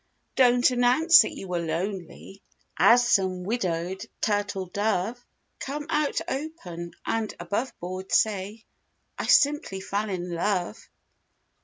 Don't announce that you were lonely As some widowed turtle dove— Come out open and above board Say: "I simply fell in love!"